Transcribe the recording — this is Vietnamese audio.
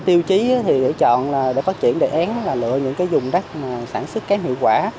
tiêu chí để chọn để phát triển đề án là lựa những dùng đất sản xuất kém hiệu quả